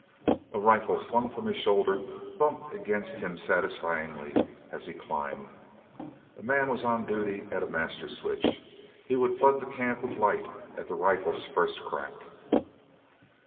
A rifle slung from his shoulder bumped against him satisfyingly as he climbed. A man was on duty at a master switch—he would flood the camp with light at the rifle's first crack.